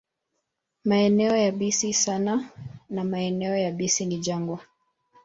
Maeneo yabisi sana na maeneo yabisi ni jangwa.